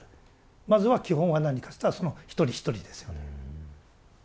まずは基本は何かといったらその一人一人ですよね。